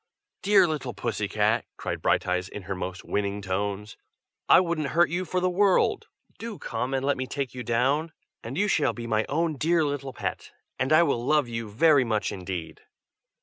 "Dear little Pusscat!" cried Brighteyes in her most winning tones. "I wouldn't hurt you for the world. Do come, and let me take you down, and you shall be my own dear little pet, and I will love you very much indeed!"